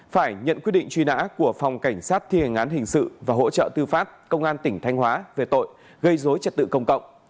phải nhận quyết định truy nã của phòng cảnh sát thi hành án hình sự và hỗ trợ tư pháp công an tỉnh thanh hóa về tội gây dối trật tự công cộng